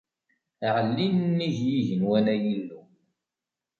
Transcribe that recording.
Ɛelli nnig yigenwan, ay Illu!